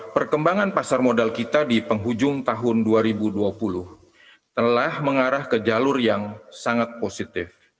perkembangan pasar modal kita di penghujung tahun dua ribu dua puluh telah mengarah ke jalur yang sangat positif